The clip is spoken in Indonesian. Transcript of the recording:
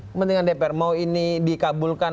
kepentingan dpr mau ini dikabulkan